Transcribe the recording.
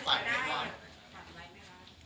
กำลังได้